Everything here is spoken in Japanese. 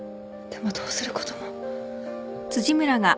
でもどうすることも。